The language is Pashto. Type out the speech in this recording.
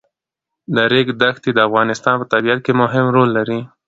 د ریګ دښتې د افغانستان په طبیعت کې مهم رول لري.